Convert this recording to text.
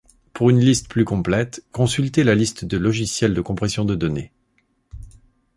Pour une liste plus complète, consultez la liste de logiciels de compression de données.